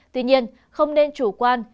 tuy nhiên không nên chủ quan